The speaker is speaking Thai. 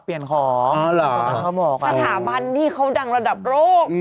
เปลี่ยนของอ่าหรอเขาบอกอ่าสถาบันที่เขาดังระดับโรคอืม